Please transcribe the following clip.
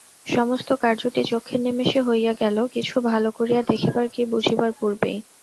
সমস্ত কার্যটি চক্ষের নিমেষে হইয়া গেল, কিছু ভালো করিয়া দেখিবার কি বুঝিবার পূর্বেই।